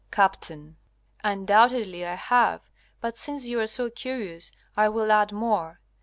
Capt. Undoubtedly I have But since you are so curious I will add more.